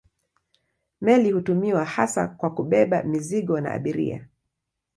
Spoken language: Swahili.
Meli hutumiwa hasa kwa kubeba mizigo na abiria.